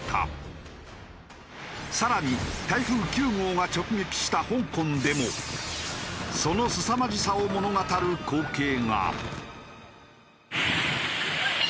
さらに台風９号が直撃した香港でもその凄まじさを物語る光景が。